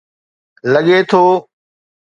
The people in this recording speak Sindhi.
لڳي ٿو.